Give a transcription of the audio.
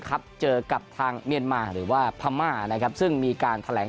ครับเจอกับทางเมียนมาหรือว่าพม่านะครับซึ่งมีการแถลง